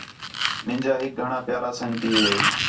مین٘جا ہِک گھݨاں پیارا سنڳتی ہِے